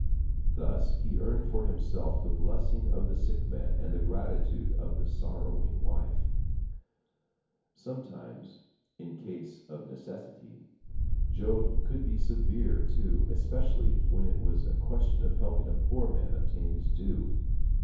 Thus he earned for himself the blessing of the sick man and the gratitude of the sorrowing wife. Sometimes, in case of necessity, Job could be severe, too, especially when it was a question of helping a poor man obtain his due.